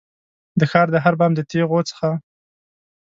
د ښار د هر بام د تېغو څخه